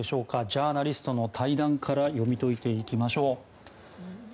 ジャーナリストの対談から読み解いていきましょう。